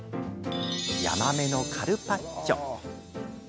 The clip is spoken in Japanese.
ヤマメのカルパッチョ。